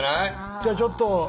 じゃあちょっと新旧の。